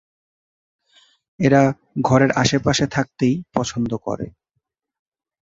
এরা ঘরের আসে পাশে থাকতেই পছন্দ করে।